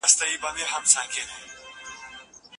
څېړنه باید د ټولني په ګټه ترسره سي.